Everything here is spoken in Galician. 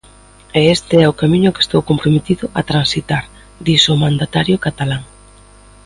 E este é o camiño que estou comprometido a transitar, dixo o mandatario catalán.